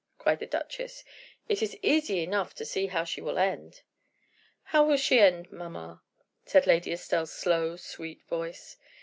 cried the duchess. "It is easy enough to see how she will end." "How will she end, mamma?" said Lady Estelle's slow, sweet voice.